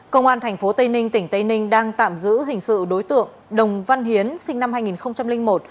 công an tp tây ninh tỉnh tây ninh đang tạm giữ hình sự đối tượng đồng văn hiến sinh năm hai nghìn một